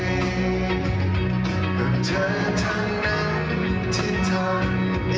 อีกเพลงหนึ่งครับนี้ให้สนสารเฉพาะเลย